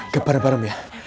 ke bareng bareng ya